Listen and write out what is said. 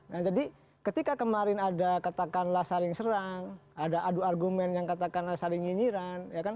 nah jadi ketika kemarin ada katakanlah saling serang ada adu argumen yang katakanlah saling nyinyiran